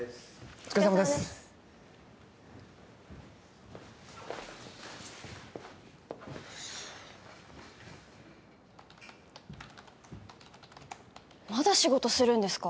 お疲れさまですまだ仕事するんですか？